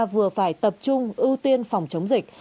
vừa phải tập trung ưu tiên phòng chống dịch